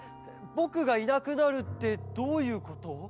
ぼくがいなくなるってどういうこと？